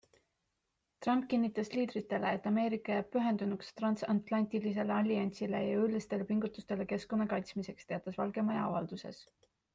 Trump kinnitas liidritele, et Ameerika jääb pühendunuks transatlantilisele alliansile ja jõulistele pingutustele keskkonna kaitsmiseks, teatas Valge Maja avalduses.